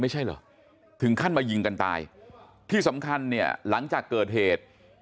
ไม่ใช่เหรอถึงขั้นมายิงกันตายที่สำคัญเนี่ยหลังจากเกิดเหตุ